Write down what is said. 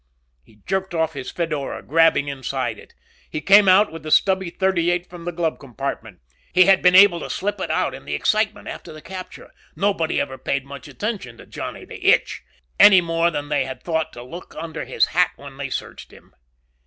He jerked off his fedora, grabbing inside it. He came out with the stubby .38 from the glove compartment. He had been able to slip it out in the excitement after the capture. Nobody ever paid much attention to Johnny the Itch. Any more than they had thought to look under his hat when they searched him.